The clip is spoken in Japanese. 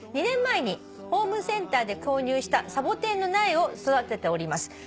「２年前にホームセンターで購入したサボテンの苗を育てております」